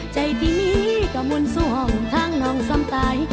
ใจที่มีก็มุนส่วงทางนองซ้ำตาย